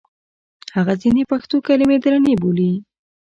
هغه ځینې پښتو کلمې درنې بولي.